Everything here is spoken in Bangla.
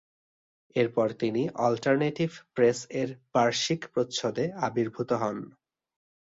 এরপর তিনি অল্টারনেটিভ প্রেস-এর বার্ষিক প্রচ্ছদে আবির্ভুত হন।